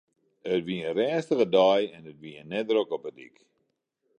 It wie in rêstige dei en it wie net drok op 'e dyk.